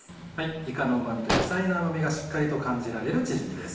いかのうま味と野菜の甘味がしっかりと感じられるチヂミです。